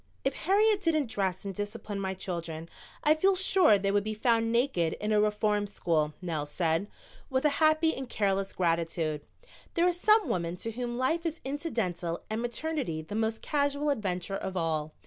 "If Harriet didn't dress and discipline my children I feel sure they would be found naked in a reform school," Nell said, with a happy and careless gratitude. There are some women to whom life is incidental and maternity the most casual adventure of all.